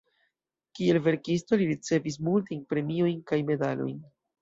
Kiel verkisto, li ricevis multajn premiojn kaj medalojn.